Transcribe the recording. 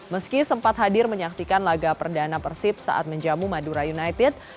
meski sempat hadir menyaksikan laga perdana persib saat menjamu madura united